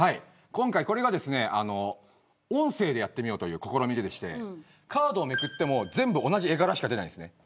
今回、音声でやってみようという試みでしてカードをめくっても全部同じ絵柄しか出ないんです。